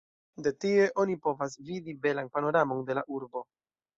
De tie oni povas vidi belan panoramon de la urbo.